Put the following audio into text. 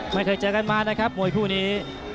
ไม่เคยเจอกันมานะครับมวยคู่นี้